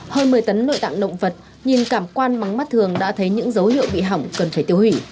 hơn một mươi tấn nội tạng động vật nhìn cảm quan mắm mắt thường đã thấy những dấu hiệu bị hỏng cần phải tiêu hủy